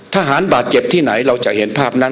ทหารบาดเจ็บที่ไหนเราจะเห็นภาพนั้น